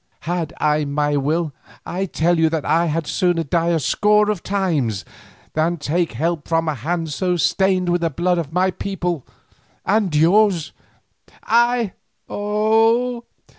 Had I my will, I tell you that I had sooner die a score of times than take help from a hand so stained with the blood of my people and of yours—I—" "Oh!